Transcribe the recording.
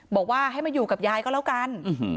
บอกว่าให้มาอยู่กับยายก็แล้วกัน